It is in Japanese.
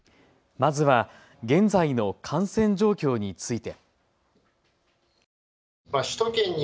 まずは現在の感染状況について。